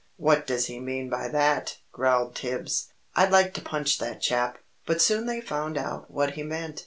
"What does he mean by that?" growled Tibbs. "I'd like to punch that chap!" But they soon found out what he meant.